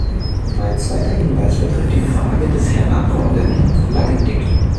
Mein zweiter Hinweis betrifft die Frage des Herrn Abgeordneten Lagendijk.